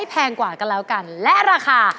แปงแปง